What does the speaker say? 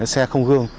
xe không gương